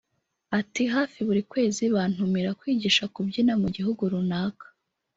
Ati “Hafi buri kwezi bantumira kwigisha kubyina mu gihugu runaka